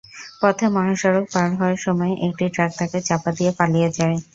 পথে মহাসড়ক পার হওয়ার সময় একটি ট্রাক তাঁকে চাপা দিয়ে পালিয়ে যায়।